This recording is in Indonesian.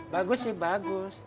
bagus sih bagus